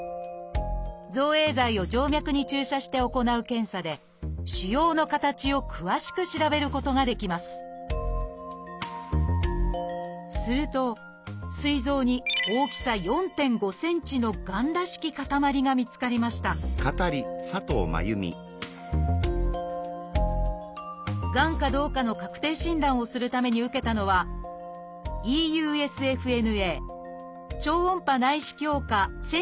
造影剤を静脈に注射して行う検査で腫瘍の形を詳しく調べることができますするとすい臓に大きさ４．５ｃｍのがんらしき塊が見つかりましたがんかどうかの確定診断をするために受けたのはという検査です。